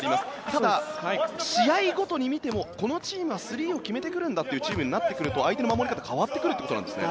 ただ、試合ごとに見てもこのチームはスリーを決めてくるんだというチームになると相手の守り方も変わってくるということなんですね。